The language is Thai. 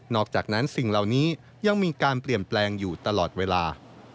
อกจากนั้นสิ่งเหล่านี้ยังมีการเปลี่ยนแปลงอยู่ตลอดเวลา